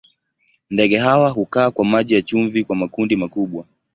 Ndege hawa hukaa kwa maji ya chumvi kwa makundi makubwa.